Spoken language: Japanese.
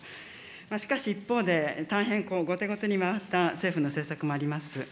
しかし一方で、大変後手後手に回った政府の政策もあります。